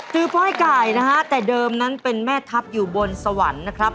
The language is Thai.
ฟ้อยไก่นะฮะแต่เดิมนั้นเป็นแม่ทัพอยู่บนสวรรค์นะครับ